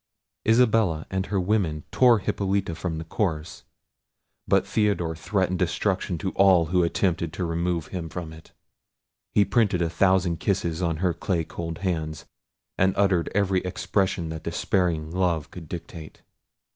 Isabella and her women tore Hippolita from the corse; but Theodore threatened destruction to all who attempted to remove him from it. He printed a thousand kisses on her clay cold hands, and uttered every expression that despairing love could dictate.